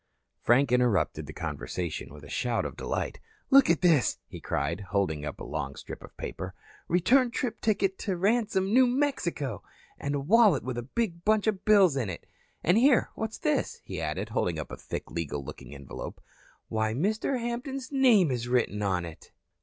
Frank interrupted the conversation with a shout of delight. "Look at this," he cried, holding up a long strip of paper. "Return trip ticket to Ransome, New Mexico. And a wallet with a big bunch of bills in it. And here, what's this?" he added, holding up a thick, legal looking envelope. "Why, Mr. Hampton's name is written on it."